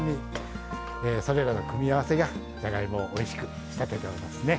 それらの組み合わせがじゃがいもをおいしく仕立てておりますね。